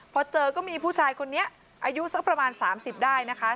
พอเจอก็มีผู้ชายคนนี้อายุสักประมาณ๓๐ได้นะคะ